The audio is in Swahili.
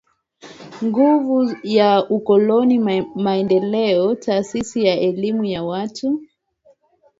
nguvu ya ukoloni mamboleo Taasisi ya Elimu ya Watu